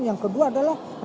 yang kedua adalah rasionalitas